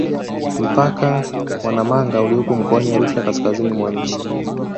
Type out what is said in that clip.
Mpaka wa Namanga uliopo mkoani Arusha kaskazini mwa nchi